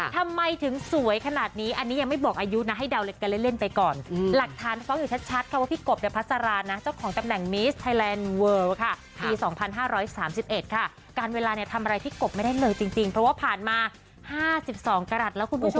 ทำอะไรพี่กบไม่ได้เลยจริงจริงเพราะว่าผ่านมาห้าสิบสองกรัฐแล้วคุณผู้ชม